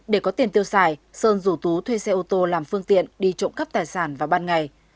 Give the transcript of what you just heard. để có tiền tiêu xài sơn rủ tú thuê xe ô tô làm phương tiện đi trộm cắp tài sản vào ban ngày